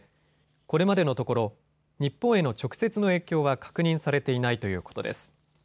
これまでのところ日本への直接の影響は確認されていないということです。